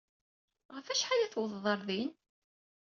Ɣef wacḥal ay tewwḍed ɣer din?